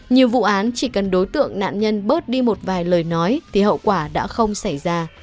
nhiều vụ án chỉ cần đối tượng nạn nhân bớt đi một vài lời nói thì hậu quả đã không xảy ra